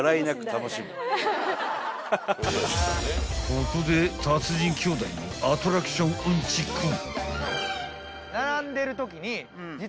［ここで達人兄弟のアトラクションうんちく］